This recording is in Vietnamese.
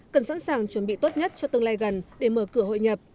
cần sẵn sàng chuẩn bị tốt nhất cho tương lai gần để mở cửa hội nhập